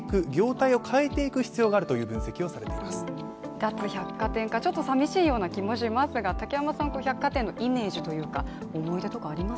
脱百貨店化、ちょっとさみしいような気がしますが竹山さん、百貨店のイメージとか思い出ってあります？